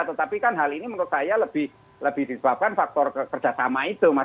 tetapi kan hal ini menurut saya lebih disebabkan faktor kerjasama itu mas